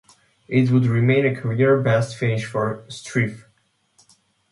It would remain a career best finish for Streiff.